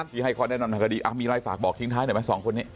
ที่ให้ข้อแนะนำทางคดีมีอะไรฝากบอกทิ้งท้ายหน่อยไหมสองคนนี้